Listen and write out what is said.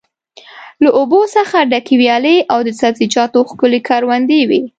له اوبو څخه ډکې ویالې او د سبزیجاتو ښکلې کروندې وې.